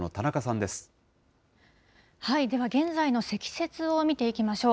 では現在の積雪を見ていきましょう。